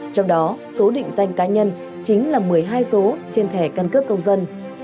trong đó số định danh cá nhân chính là một mươi hai số trên thẻ căn cước công dân